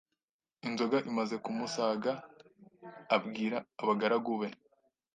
inzoga imaze kumusaga abwira abagaragu be